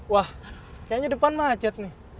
wah kayaknya depan macet nih